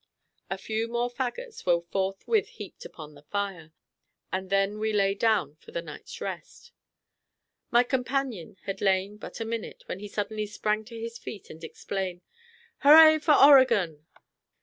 A few more fagots were forthwith heaped upon the fire, and then we lay down for the night's rest. My companion had lain but a minute, when he suddenly sprang to his feet, and exclaimed: "Hurrah for Oregon!"